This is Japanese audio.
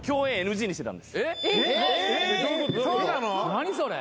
何それ。